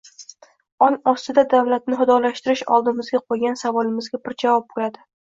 ong ostida «davlatni xudolashtirish» oldimizga qo‘ygan savolimizga bir javob bo‘ladi.